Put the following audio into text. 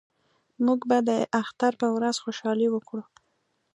موږ به د اختر په ورځ خوشحالي وکړو